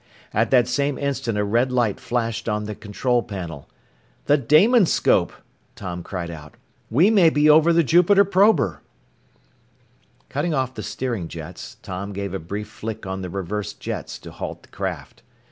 At that same instant a red light flashed on the control panel. "The Damonscope!" Tom cried out. "We may be over the Jupiter prober!" Cutting off the steering jets, Tom gave a brief flick on the reverse jets to halt the craft.